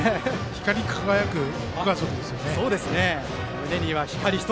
光り輝く、ご家族ですね。